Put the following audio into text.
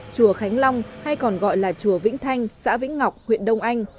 chùa khánh long hay còn gọi là chùa vĩnh thanh xã vĩnh ngọc huyện đông anh